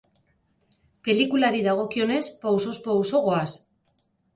Pelikulari dagokionez, pausoz pauso goaz.